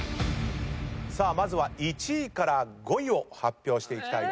さあまずは１位から５位を発表していきたいと思います。